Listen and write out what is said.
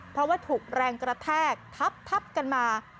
เพราะว่าถูกแรงกระแทกทับกันมา